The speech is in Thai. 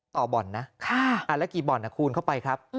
บ่อนนะแล้วกี่บ่อนคูณเข้าไปครับ